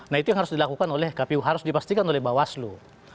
nah itu yang harus dilakukan oleh kpu harus dipastikan oleh bawaslu